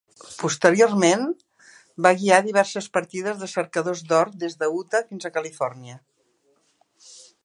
Posteriorment, va guiar diverses partides de cercadors d'or des d'Utah fins a Califòrnia.